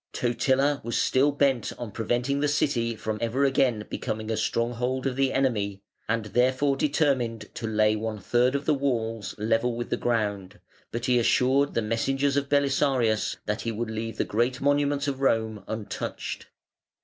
Totila was still bent on preventing the City from ever again becoming a stronghold of the enemy, and therefore determined to lay one third of the walls level with the ground, but he assured the messengers of Belisarius that he would leave the great monuments of Rome untouched.